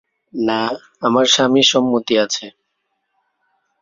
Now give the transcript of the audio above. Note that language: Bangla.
না, আমার স্বামীর সম্মতি আছে।